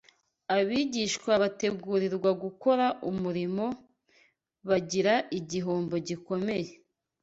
Abigishwa bategurirwa gukora umurimo bagira igihombo gikomeye